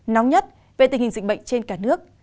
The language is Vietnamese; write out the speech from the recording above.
nóng nhất về tình hình dịch bệnh trên cả nước